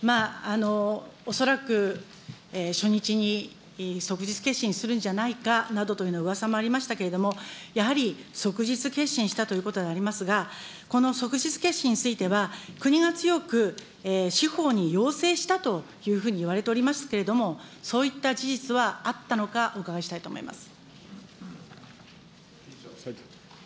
恐らく初日に即日結審するんじゃないかなどといううわさもありましたけれども、やはり即日結審したということでありますが、この即日結審については、国が強く司法に要請したというふうに言われておりますけれども、そういった事実はあったのか、お伺いしたいと思います。